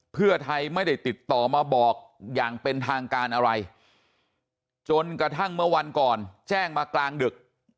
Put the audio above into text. เพื่อไทยไม่ได้ติดต่อมาบอกอย่างเป็นทางการอะไรจนกระทั่งเมื่อวันก่อนแจ้งมากลางดึก